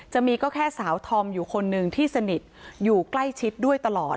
จะมีก็แค่สาวธอมอยู่คนหนึ่งที่สนิทอยู่ใกล้ชิดด้วยตลอด